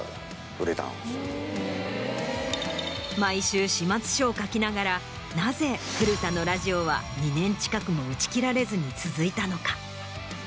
毎週始末書を書きながらなぜ古田のラジオは２年近くも打ち切られずに続いたのか？